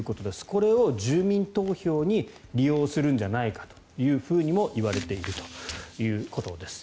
これを住民投票に利用するんじゃないかというふうにもいわれているということです。